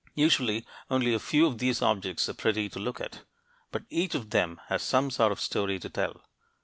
Usually, only a few of these objects are pretty to look at; but each of them has some sort of story to tell.